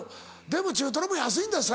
でも中トロも安いんだよ